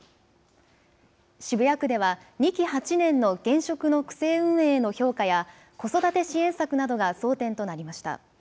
渋谷区では２期８年の現職の区政運営への評価や子育て支援策などが争点となりました。